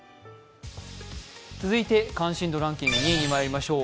続いて関心度ランキング２位にまいりましょう。